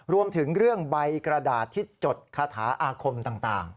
รวมถึงเรื่องใบกระดาษที่จดคาถาอาคมต่าง